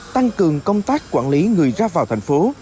tăng cường công tác quản lý người ra vào thành phố